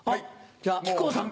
じゃあ木久扇さん。